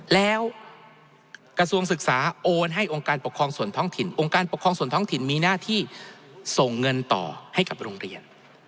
แล้วกระทรวงศึกษาโอนให้องค์การปกครองส่วนท้องถิ่นองค์การปกครองส่วนท้องถิ่นมีหน้าที่ส่งเงินต่อให้กับโรงเรียน